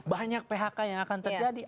banyak phk yang akan terjadi